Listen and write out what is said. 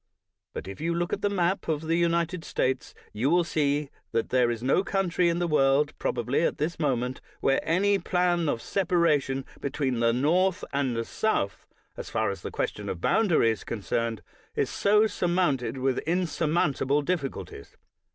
But if you look at a map of the United States, you will see that there is no country in the world, probably, at this moment, where any plan of separation be tween the North and the South, as far as the question of boundary is concerned, is so sur mounted with insurmountable difficulties.